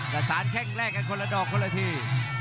ประสานแข้งแลกกันคนละดอกคนละที